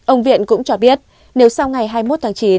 ông viện cũng cho biết nếu sau ngày hai mươi một tháng chín